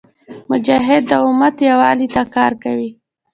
مجاهد د امت یووالي ته کار کوي.